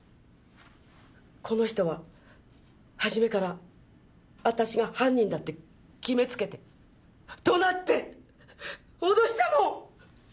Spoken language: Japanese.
この人は初めから私が犯人だって決めつけて怒鳴って脅したの！